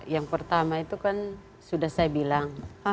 yang pertama itu kan sudah saya bilang